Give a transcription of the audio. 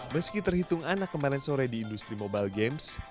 meski terhitung anak kemarin sore di industri mobile games